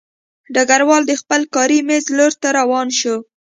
ډګروال د خپل کاري مېز لور ته روان شو